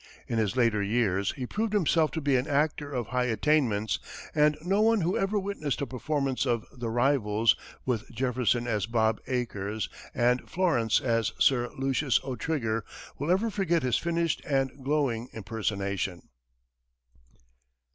In his later years he proved himself to be an actor of high attainments and no one who ever witnessed a performance of "The Rivals," with Jefferson as Bob Acres, and Florence as Sir Lucius O'Trigger, will ever forget his finished and glowing impersonation.